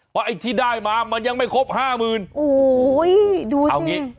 ว่าไอ้ที่ได้มามันยังไม่ครบ๕หมื่นโอ้โฮดูนี่